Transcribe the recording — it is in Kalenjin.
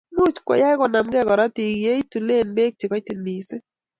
much koyai konamaka korotik ye itulen bei che kaititen mising